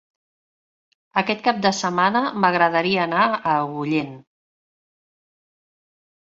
Aquest cap de setmana m'agradaria anar a Agullent.